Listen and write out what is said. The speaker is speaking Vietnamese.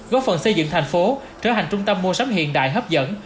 góp phần xây dựng thành phố trở thành trung tâm mua sắm hiện đại hấp dẫn